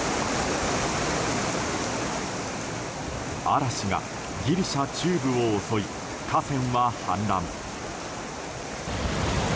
嵐がギリシャ中部を襲い河川は氾濫。